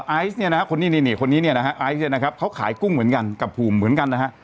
ไอซ์เนี่ยนะฮะคนนี้นี่คนนี้เนี่ยนะฮะไอซ์เนี่ยนะครับเขาขายกุ้งเหมือนกันกับภูมิเหมือนกันนะฮะ